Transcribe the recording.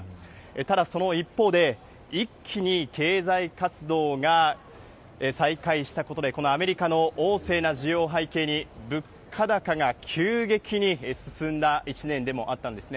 ただ、その一方で、一気に経済活動が再開したことで、このアメリカのおう盛な需要背景に物価高が急激に進んだ一年でもあったんですね。